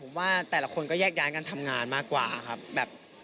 ผมว่าแต่ละคนก็แยกย้ายกันทำงานมากกว่าครับแบบ